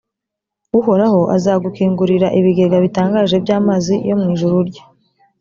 uhoraho azagukingurira ibigega bitangaje by’amazi yo mu ijuru rye,